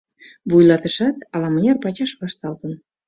Вуйлатышат ала-мыняр пачаш вашталтын.